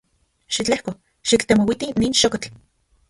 Xitlejko xiktemouiti nin xokotl.